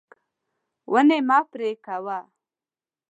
ونې مه پرې کوه.